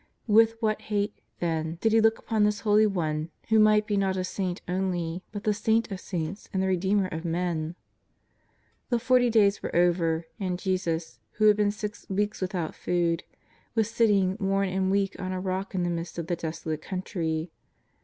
With what hate, then, did he look upon this Holy One who might be not a Saint only but the Saint of Saints and the Ee deemer of men. The forty days were over, and Jesus, who had been six weeks without food, was sitting worn and weak on a rock in the midst of the desolate country.